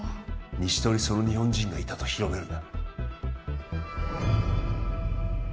西棟にその日本人がいたと広めるんだ